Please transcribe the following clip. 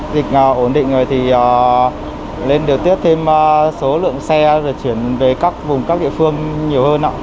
dịch ổn định rồi thì lên điều tiết thêm số lượng xe rồi chuyển về các vùng các địa phương nhiều hơn